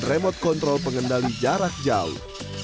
remote control pengendali jarak jauh